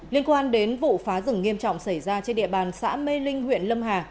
liên quan đến vụ phá rừng nghiêm trọng xảy ra trên địa bàn xã mê linh huyện lâm hà